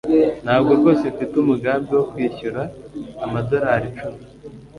ntabwo rwose mfite umugambi wo kwishyura amadorari icumi